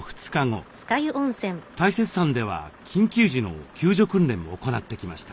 大雪山では緊急時の救助訓練も行ってきました。